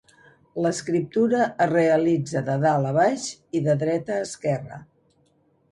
L'escriptura es realitza de dalt a baix i de dreta a esquerra.